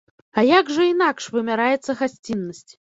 А як жа інакш вымяраецца гасціннасць?